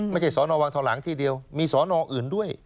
สอนอวังทองหลังที่เดียวมีสอนออื่นด้วย